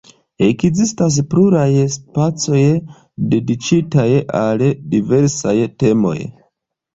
Ekzistas pluraj spacoj, dediĉitaj al diversaj temoj.